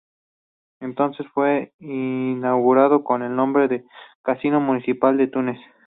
Entonces fue inaugurado con el nombre de Casino Municipal de Túnez.